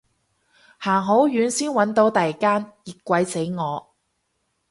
行好遠先搵到第間，熱鬼死我